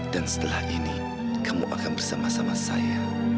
dan setelah ini kamu akan bersama sama saya